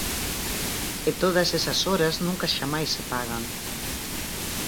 E todas esas horas nunca xamais se pagan.